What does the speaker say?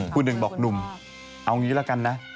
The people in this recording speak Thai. คุณหนึ่งบอกหนุ่มเอางี้ละกันนะ